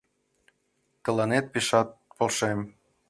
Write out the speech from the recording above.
Тыланет пешат полшем